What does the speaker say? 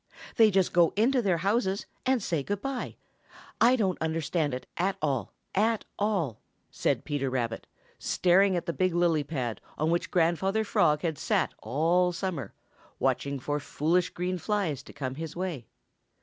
"They just go into their houses and say good by. I don't understand it at all, at all," said Peter Rabbit, staring at the big lily pad on which Grandfather Frog had sat all summer, watching for foolish green flies to come his way.